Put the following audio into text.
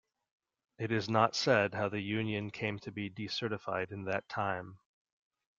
It is not said how the union came to be decertified in that time.